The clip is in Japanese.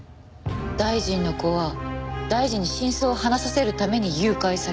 大臣の子は大臣に真相を話させるために誘拐された。